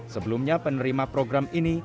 sebelumnya penerima program ini